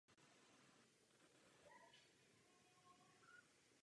Po anšlusu Rakouska emigroval do Velké Británie.